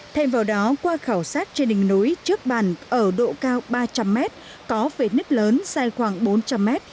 thêm vào đó qua khảo sát trên đỉnh núi trước bàn ở độ cao ba trăm linh m có vệt nứt lớn dài khoảng bốn trăm linh m